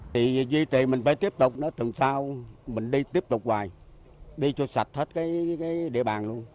thì duy trì mình phải tiếp tục đó tuần sau mình đi tiếp tục hoài đi cho sạch hết cái địa bàn luôn